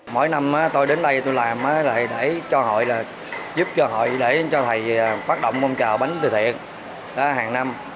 mỗi năm tôi đến đây tôi làm để cho họ giúp cho họ để cho thầy phát động công trào bánh từ thiện hàng năm